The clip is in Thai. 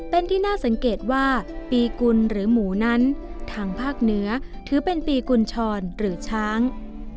เป็นที่น่าสังเกตว่าปีกุลหรือหมูนั้นทางภาคเหนือถือเป็นปีกุญชรหรือช้าง